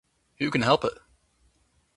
Who can help it?